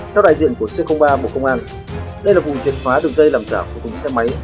theo đại diện của c ba bộ công an đây là vùng triệt phá đường dây làm giả của vùng xe máy